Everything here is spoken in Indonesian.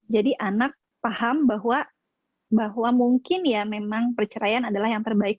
jadi anak paham bahwa mungkin ya memang perceraian adalah yang terbaik